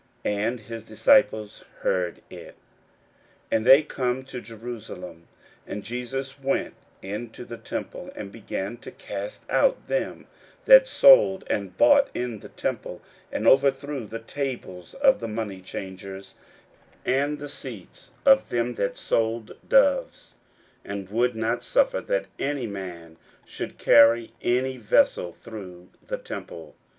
And his disciples heard it. 41:011:015 And they come to Jerusalem: and Jesus went into the temple, and began to cast out them that sold and bought in the temple, and overthrew the tables of the moneychangers, and the seats of them that sold doves; 41:011:016 And would not suffer that any man should carry any vessel through the temple.